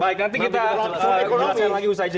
baik nanti kita jelaskan lagi usai jadinya